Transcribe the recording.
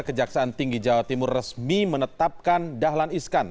kejaksaan tinggi jawa timur resmi menetapkan dahlan iskan